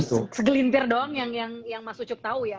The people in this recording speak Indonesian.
itu segelintir doang yang mas ucup tau ya